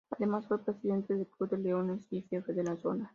Además, fue Presidente del Club de Leones y Jefe de la Zona.